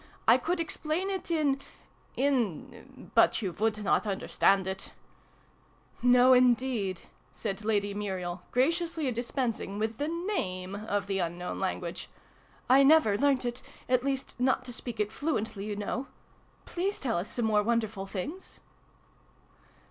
I could explain it in in but you would not understand it !" "No indeed!" said Lady Muriel, graciously dispensing with the name of the unknown language. " I never learnt it at least, not to speak it fluently, you know. Please tell us some more wonderful things